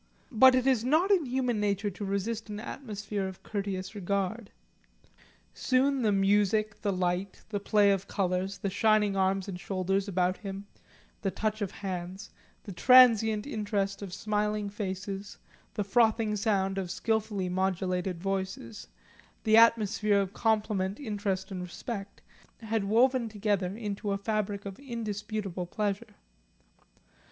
But it is not in human nature to resist an atmosphere of courteous regard. Soon the music, the light, the play of colours, the shining arms and shoulders about him, the touch of hands, the transient interest of smiling faces, the frothing sound of skilfully modulated voices, the atmosphere of compliment, interest and respect, had woven together into a fabric of indisputable pleasure.